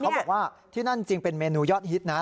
บอกว่าที่นั่นจริงเป็นเมนูยอดฮิตนะ